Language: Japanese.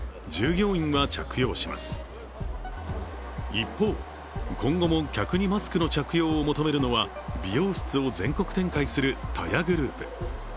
一方、今後も客にマスクの着用を求めるのは美容室を全国展開するＴＡＹＡグループ。